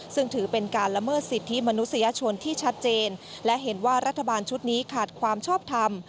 ซึ่งถือเป็นการละเมิดสิทธิมนุษยชนที่ชัดเจนและเห็นว่ารัฐบาลชุดนี้ขาดความชอบทำ